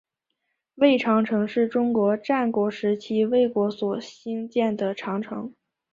魏长城是中国战国时期魏国所兴建的长城。